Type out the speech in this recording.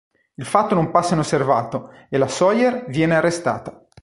Il fatto non passa inosservato e la Sawyer viene arrestata.